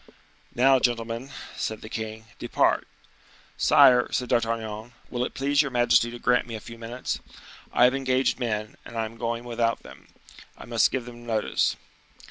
"Now, gentlemen," said the king, "depart." "Sire," said D'Artagnan, "will it please your majesty to grant me a few minutes? I have engaged men, and I am going without them; I must give them notice."